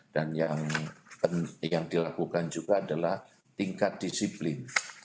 dan yang dilakukan juga adalah tingkat disiplin